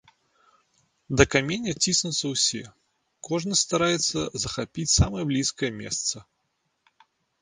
Да каменя ціснуцца ўсе, кожны стараецца захапіць самае блізкае месца.